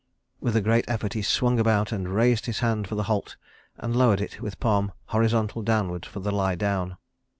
... With a great effort he swung about and raised his hand for the "halt" and lowered it with palm horizontal downward for the "lie down."